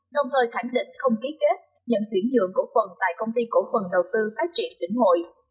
đồng thời khẳng định không ký kết nhận chuyển nhượng cổ phần tại công ty cổ phần đầu tư phát triển vĩnh hội